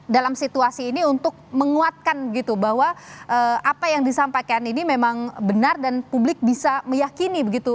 dalam situasi ini untuk menguatkan gitu bahwa apa yang disampaikan ini memang benar dan publik bisa meyakini begitu